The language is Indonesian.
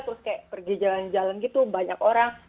terus kayak pergi jalan jalan gitu banyak orang